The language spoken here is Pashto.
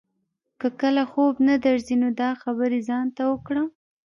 که کله خوب نه درځي نو دا خبرې ځان ته وکړه.